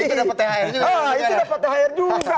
itu dapet thr juga